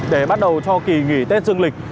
để bắt đầu cho kỳ nghỉ tết dương lịch